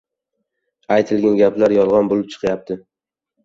Aytilgan gaplar yolgʻon boʻlib chiqayapti.